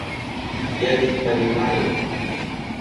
Я ведь понимаю.